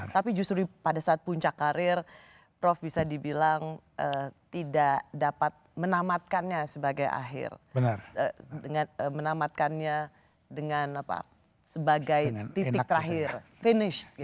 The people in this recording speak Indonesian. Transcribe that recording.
tapi justru pada saat puncak karir prof bisa dibilang tidak dapat menamatkannya sebagai akhir dengan menamatkannya dengan sebagai titik terakhir finish